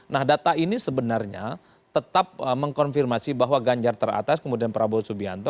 nah data ini sebenarnya tetap mengkonfirmasi bahwa ganjar teratas kemudian prabowo subianto